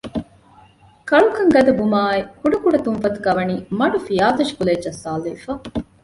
ކަޅުކަން ގަދަ ބުމައާއި ކުޑަ ކުޑަ ތުންފަތުގައި ވަނީ މަޑު ފިޔާތޮށި ކުލައެއް ޖައްސާލެވިފަ